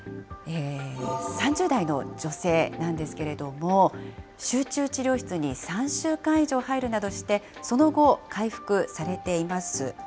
３０代の女性なんですけれども、集中治療室に３週間以上入るなどして、その後、回復されています。